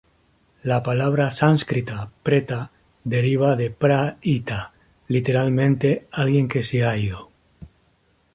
La palabra sánscrita "preta" deriva de "pra-ita", literalmente ‘alguien que se ha ido’.